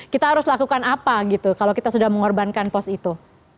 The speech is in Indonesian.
kita harus lakukan apa gitu kalau kita sudah mengorbankan pos itu